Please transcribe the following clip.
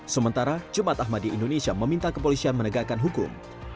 sementara jumat ahmadi indonesia meminta kepolisian menegakkan hukum